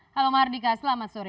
halo mahardika selamat sore